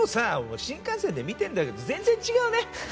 新幹線で見てるんだけど全然違うね。